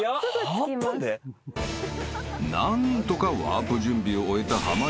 ［何とかワープ準備を終えた濱家］